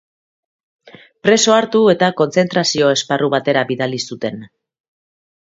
Preso hartu eta kontzentrazio-esparru batera bidali zuten.